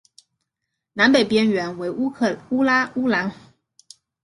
南北边缘为乌兰乌拉山和昆仑山脉的一部分。